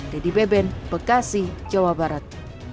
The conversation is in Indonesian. dedy beben bekasi jawa barat